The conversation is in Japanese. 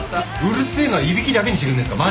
うるせえのはいびきだけにしてくんねえですか。